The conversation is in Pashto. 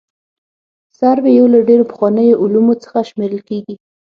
سروې یو له ډېرو پخوانیو علومو څخه شمېرل کیږي